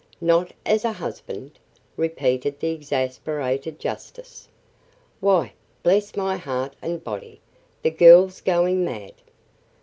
"Not as a husband!" repeated the exasperated justice. "Why, bless my heart and body, the girl's going mad!